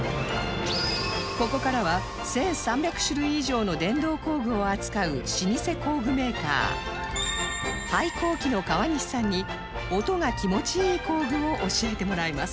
ここからは１３００種類以上の電動工具を扱う老舗工具メーカー ＨｉＫＯＫＩ の川西さんに音が気持ちいい工具を教えてもらいます